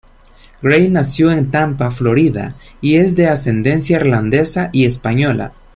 Grey nació en Tampa, Florida y es de ascendencia irlandesa y española.